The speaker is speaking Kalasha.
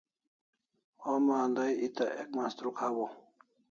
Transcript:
Homa andai eta ek mastruk hawaw